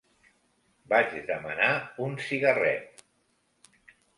Vaig demanar un cigarret